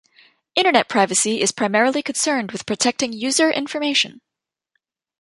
Internet privacy is primarily concerned with protecting user information.